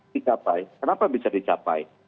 dicapai kenapa bisa dicapai